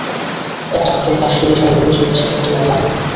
একটা আসল কাশ্মীরি শালের পরিচয় কিসে ফুটে উঠে জানেন?